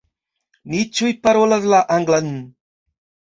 Ni ĉiuj parolas la anglan.